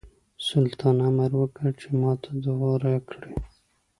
سلطان امر وکړ چې ماته دوا راکړي.